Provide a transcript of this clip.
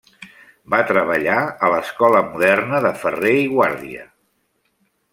Va treballar a l'Escola Moderna de Ferrer i Guàrdia.